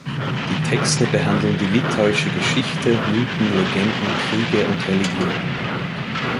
Die Texte behandeln die litauische Geschichte, Mythen, Legenden, Kriege und Religion.